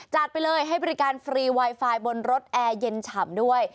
ไปเลยให้บริการฟรีไวไฟบนรถแอร์เย็นฉ่ำด้วย